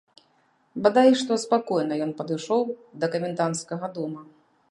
Бадай што спакойна ён падышоў да каменданцкага дома.